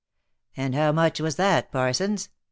"And how much was that, Parsons?